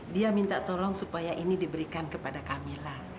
dia minta tolong supaya ini diberikan kepada kamila